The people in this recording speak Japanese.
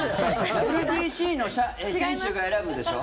「ＷＢＣの選手が選ぶ」でしょ？